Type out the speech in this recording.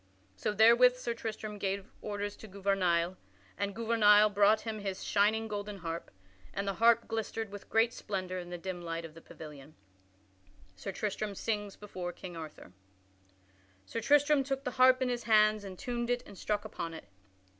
So therewith Sir Tristram gave orders to Gouvernail, and Gouvernail brought him his shining golden harp, and the harp glistered with great splendor in the dim light of the pavilion. [Sidenote: Sir Tristram sings before King Arthur] Sir Tristram took the harp in his hands and tuned it and struck upon it.